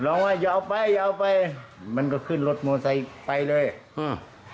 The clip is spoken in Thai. ว่าอย่าเอาไปอย่าเอาไปมันก็ขึ้นรถมอไซค์ไปเลยอืม